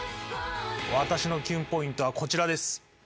私のキュンポイントはこちらです！